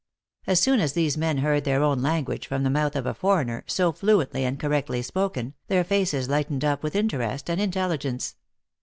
As soon as these men heard their own language from the mouth of a for eigner, so fluently and correctly spoken, their faces lightened np with interest and intelligence.